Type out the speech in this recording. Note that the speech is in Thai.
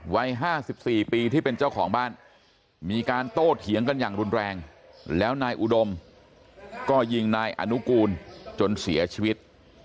วัย๕๔ปีที่เป็นเจ้าของบ้านมีการโต้เถียงกันอย่างรุนแรงแล้วนายอุดมก็ยิงนายอนุกูลจนเสียชีวิต